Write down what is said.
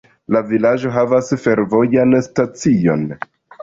La vilaĝo havas fervojan stacion.